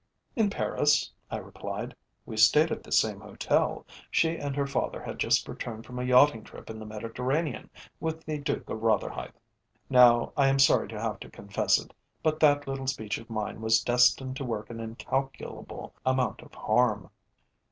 "In Paris," I replied. "We stayed at the same hotel. She and her father had just returned from a yachting trip in the Mediterranean with the Duke of Rotherhithe." [Illustration: WE WERE RECEIVED BY THE COUNTESS. To face page 89.] Now, I am sorry to have to confess it, but that little speech of mine was destined to work an incalculable amount of harm.